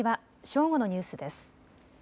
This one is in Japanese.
正午のニュースです。